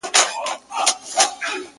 o خېرات دي وسه، د مړو دي ښه په مه سه.